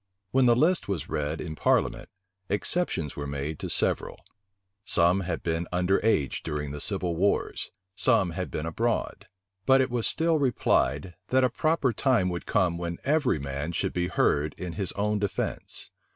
When the list was read in parliament, exceptions were made to several: some had been under age during the civil wars; some had been abroad. But it was still replied, that a proper time would come when every man should be heard in his own defence.